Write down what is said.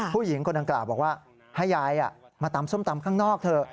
ผู้หญิงคนดังกล่าวบอกว่าให้ยายมาตำส้มตำข้างนอกเถอะ